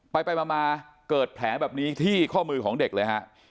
ไปมาเกิดแผลแบบนี้ที่ข้อมือของเด็กเลยฮะ